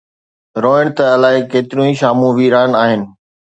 روئڻ ته الائي ڪيتريون شامون ويران آهن.